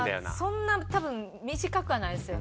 そんな多分短くはないですよね。